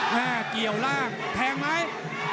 แม่เกี่ยวล่างแทงมั้ย